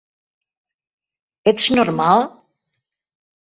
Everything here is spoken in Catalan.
Ets normal?